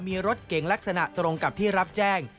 มีรถเก๋งลักษณะตรงกับที่รับแจ้ง